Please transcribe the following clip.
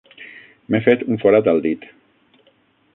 M'he fet un forat al dit.